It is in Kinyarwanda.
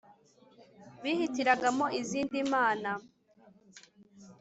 bihitiragamo izindi mana